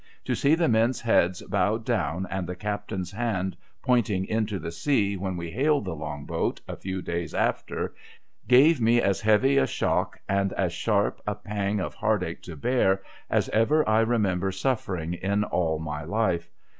To see the men's heads bowed down and the captain's hand pointing into the sea when we hailed the Long boat, a few days after, gave me as heavy a shock and as sharp a pang of heartache to bear as ever I remember suffering in all my life.